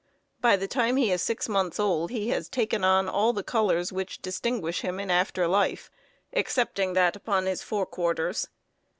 By the time he is six months old he has taken on all the colors which distinguish him in after life, excepting that upon his fore quarters.